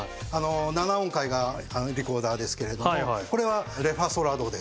７音階がリコーダーですけれどもこれは「レファソラド」です。